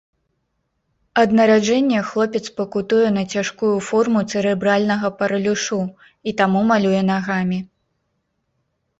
Ад нараджэння хлопец пакутуе на цяжкую форму цэрэбральнага паралюшу і таму малюе нагамі.